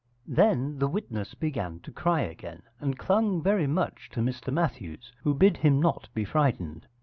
Then the witness began to cry again and clung very much to Mr Matthews, who bid him not be frightened.